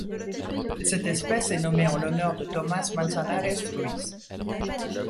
Cette espèce est nommée en l'honneur de Tomás Manzanares Ruiz.